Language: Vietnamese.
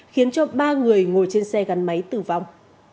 khiến cho ba người ngồi trên xe gắn máy tử vong